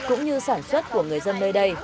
cũng như sản xuất của người dân